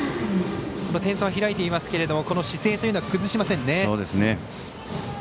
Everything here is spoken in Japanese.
点差は開いていますけど姿勢というのは崩しませんね。